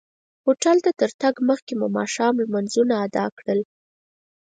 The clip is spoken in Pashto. هوټل ته تر تګ مخکې مو ماښام لمونځونه ادا کړل.